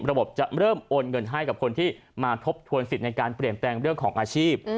จะเริ่มโอนเงินให้กับคนที่มาทบทวนสิทธิ์ในการเปลี่ยนแปลงเรื่องของอาชีพ